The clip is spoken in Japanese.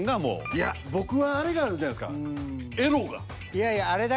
いや僕はあれがあるじゃないすか。